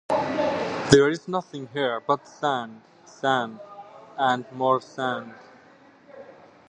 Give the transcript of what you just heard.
There is nothing here but sand, sand, and more sand.